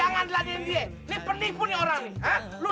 enggak enggak susah enggak mau